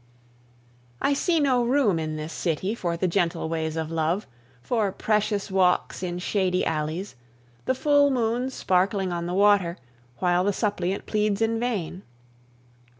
I see no room in this city for the gentle ways of love, for precious walks in shady alleys, the full moon sparkling on the water, while the suppliant pleads in vain.